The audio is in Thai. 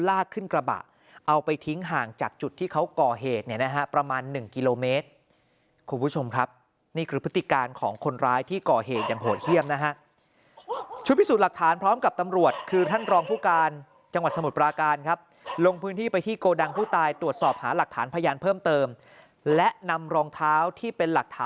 ลากขึ้นกระบะเอาไปทิ้งห่างจากจุดที่เขาก่อเหตุเนี่ยนะฮะประมาณหนึ่งกิโลเมตรคุณผู้ชมครับนี่คือพฤติการของคนร้ายที่ก่อเหตุอย่างโหดเยี่ยมนะฮะชุดพิสูจน์หลักฐานพร้อมกับตำรวจคือท่านรองผู้การจังหวัดสมุทรปราการครับลงพื้นที่ไปที่โกดังผู้ตายตรวจสอบหาหลักฐานพยานเพิ่มเติมและนำรองเท้าที่เป็นหลักฐาน